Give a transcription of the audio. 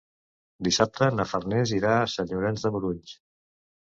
Dissabte na Farners irà a Sant Llorenç de Morunys.